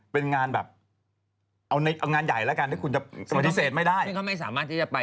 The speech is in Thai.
เป็นงานแบบเอางานใหญ่แล้วกันที่คุณจะปฏิเสธไม่ได้